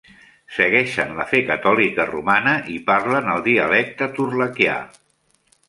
Segueixen la fe catòlica romana i parlen el dialecte torlakià.